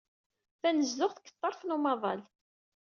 Tanezduɣt deg ḍḍerf n umaḍal.